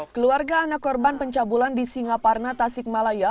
keluarga anak korban pencabulan di singaparna tasikmalaya